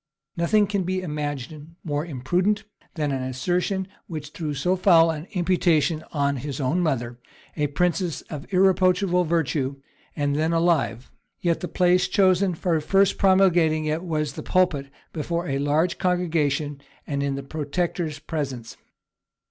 Nothing can be imagined more impudent than this assertion, which threw so foul an imputation on his own mother, a princess of irreproachable virtue, and then alive; yet the place chosen for first promulgating it was the pulpit, before a large congregation, and in the protector's presence.